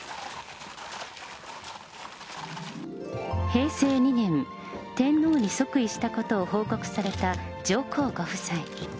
平成２年、天皇に即位したことを報告された上皇ご夫妻。